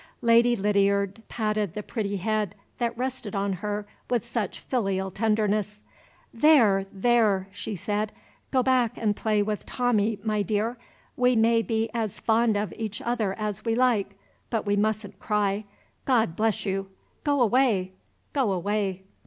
Lady Lydiard patted the pretty head that rested on her with such filial tenderness. "There! there!" she said, "Go back and play with Tommie, my dear. We may be as fond of each other as we like; but we mustn't cry. God bless you! Go away go away!"